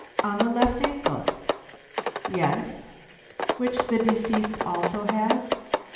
"On the left ankle?" "Yes." "Which the deceased also has?"